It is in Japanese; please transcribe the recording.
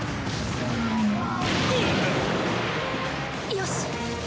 よし！